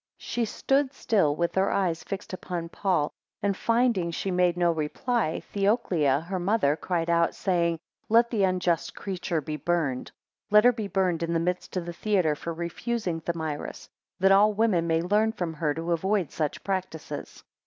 8 She stood still, with her eyes fixed upon Paul; and finding she made no reply, Theoclia, her mother cried out saying, Let the unjust creature be burnt; let her be burnt in the midst of the theatre, for refusing Thamyris, that all women may learn from her to avoid such practices.